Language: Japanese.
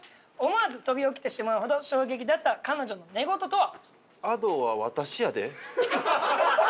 思わず飛び起きてしまうほど衝撃だった彼女の寝言とは？